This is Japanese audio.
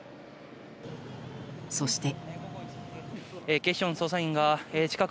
そして。